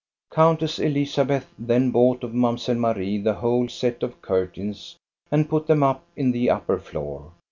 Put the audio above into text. Countess Elizabeth then bought of Mamselle Marie the whole set of curtains and put them up in the upper floor.